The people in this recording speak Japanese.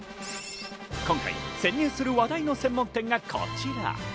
今回潜入する話題の専門店がこちら。